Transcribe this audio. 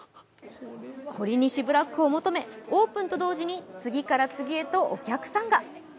ほりにしブラックを求め、オープンと同時に次から次へとお客さんが。